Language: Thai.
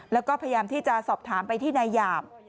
แล้วก็พยายามที่จะสอบถามไปที่นายหยาม